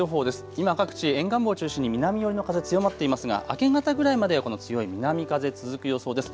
今、各地沿岸部を中心に南寄りの風、強まっていますが明け方ぐらいまでこの強い南風続く予想です。